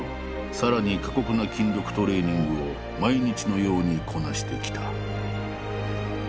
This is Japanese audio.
さらに過酷な筋力トレーニングを毎日のようにこなしてきた。